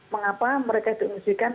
mengapa mereka diungsikan